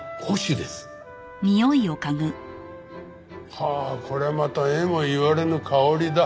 はあこれまた得も言われぬ香りだ。